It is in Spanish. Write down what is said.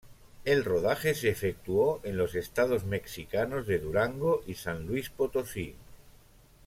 El rodaje se efectuó en los estados mexicanos de Durango y San Luis Potosí.